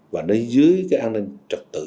và nó dưới cái an ninh trật tự